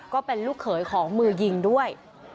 ก็เป็นลูกเขยของมือยิงด้วย